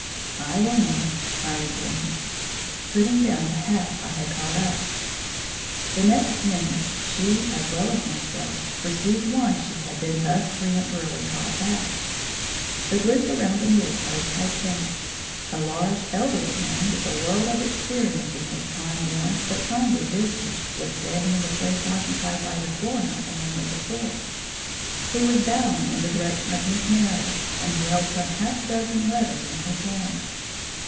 "I will not," I rejoined, putting down the hat I had caught up. The next minute she, as well as myself, perceived why she had been thus peremptorily called back. The group around the newel post had changed. A large, elderly man, with a world of experience in his time worn but kindly visage, was standing in the place occupied by the coroner a moment before. He was bowing in the direction of Miss Meredith, and he held some half dozen letters in his hand.